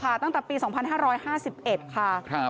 ตั้งแต่ปี๒๕๕๑ค่ะ